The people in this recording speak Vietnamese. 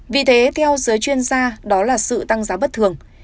vì thế theo giới chuyên gia đó là sự tăng giá bất thường